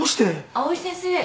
藍井先生。